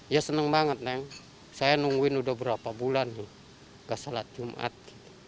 ya senang banget saya nungguin udah berapa bulan gak salah jumat